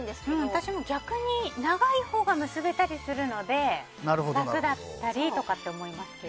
私も逆に長いほうが結べたりするので楽だったりとかって思いますけど。